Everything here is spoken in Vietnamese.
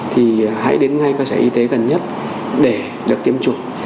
thì hãy đến ngay cơ sở y tế gần nhất để được tiêm chủng